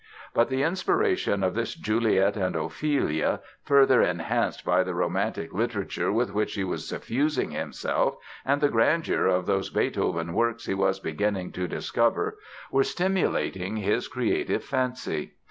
But the inspiration of this Juliet and Ophelia, further enhanced by the romantic literature with which he was suffusing himself and the grandeur of those Beethoven works he was beginning to discover, were stimulating his creative fancy.